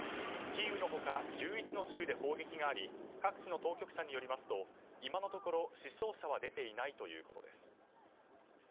キーウの他１１の州で砲撃があり各地の当局者によりますと今のところ死傷者は出ていないということです。